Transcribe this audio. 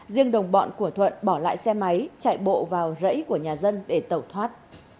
riêng đồng bọn của thuận bỏ lại xe máy chạy bộ vào rẫy của nhà dân để tẩu thoát